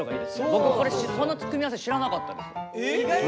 僕この組み合わせ知らなかったです。え！